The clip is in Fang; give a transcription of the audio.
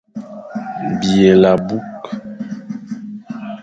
Byelé abukh.